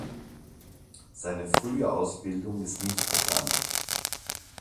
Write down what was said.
Seine frühe Ausbildung ist nicht bekannt.